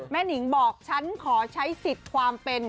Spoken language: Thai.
หนิงบอกฉันขอใช้สิทธิ์ความเป็น